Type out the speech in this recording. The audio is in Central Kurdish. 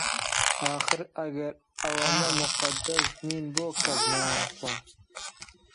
ئاخر ئەگەر ئەوانە موقەدەس نین بۆ کەس نایانخوا؟